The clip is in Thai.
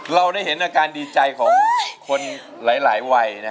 เราได้เห็นอาการดีใจของคนหลายวัย